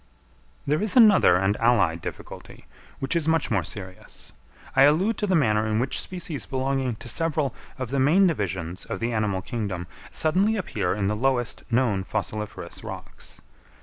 _ There is another and allied difficulty, which is much more serious. I allude to the manner in which species belonging to several of the main divisions of the animal kingdom suddenly appear in the lowest known fossiliferous rocks.